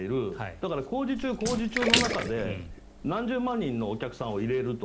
だから、工事中、工事中の中で何十万人のお客さんを入れると。